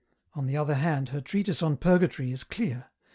On the other hand her Treatise on Purgatory is clear.